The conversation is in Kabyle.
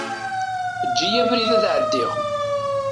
Eǧǧ-iyi abrid ad ɛeddiɣ.